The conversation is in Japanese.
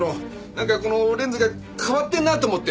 なんかこうレンズが変わってるなと思って。